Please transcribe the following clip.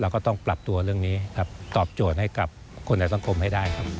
เราก็ต้องปรับตัวเรื่องนี้ตอบโจทย์ให้กับคนในสังคมให้ได้